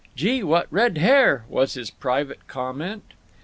Gee, what red hair!" was his private comment.